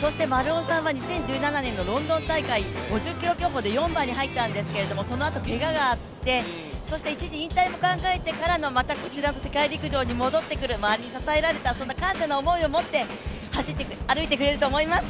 そして丸尾さんは２０１７年のロンドン大会５０ｋｍ競歩で４番に入ったんですけどもそのあとけががあってそして一時引退も考えてからのこちらの世界陸上に戻ってくる周りに支えられた、そんな感謝の思いを持って歩いてくれると思います。